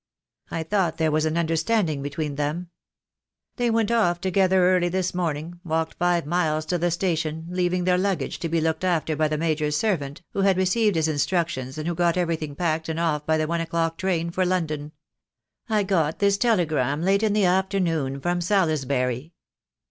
"I thought there was an understanding between them." "They went off together early this morning; walked five miles to the station, leaving their luggage to be looked after by the Major's servant, who had received his in structions and who got everything packed and off by the one o'clock train for London. I got this telegram late in the afternoon from Salisbury."